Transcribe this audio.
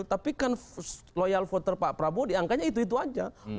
tapi kan loyal voter pak prabowo diangkanya itu itu aja